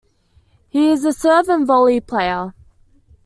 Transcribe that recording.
He is a serve-and-volley player.